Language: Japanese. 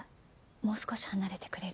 もう少し離れてくれる？